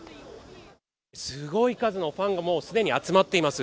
すごい数のファンがもうすでに集まっています。